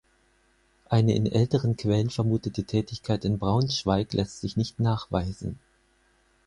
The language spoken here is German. Eine in älteren Quellen vermutete Tätigkeit in Braunschweig lässt sich nicht nachweisen.